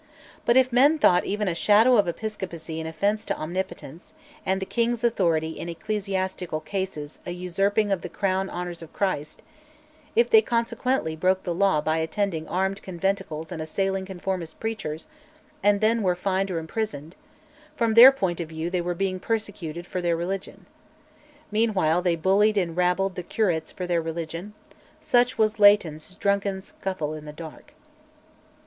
But if men thought even a shadow of Episcopacy an offence to Omnipotence, and the king's authority in ecclesiastical cases a usurping of "the Crown Honours of Christ"; if they consequently broke the law by attending armed conventicles and assailing conformist preachers, and then were fined or imprisoned, from their point of view they were being persecuted for their religion. Meanwhile they bullied and "rabbled" the "curates" for their religion: such was Leighton's "drunken scuffle in the dark."